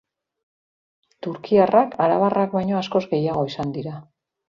Turkiarrak arabarrak baino askoz gehiago izan dira.